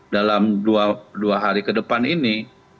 dalam dua hari kedepan ini